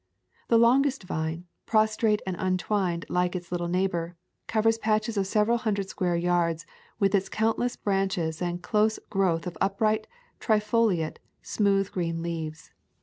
The longest vine, prostrate and untwined like its little neighbor, covers patches of several hun dred square yards with its countless branches and close growth of upright, trifoliate, smooth green leaves.